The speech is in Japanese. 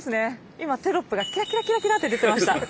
今テロップがキラキラキラキラって出てました。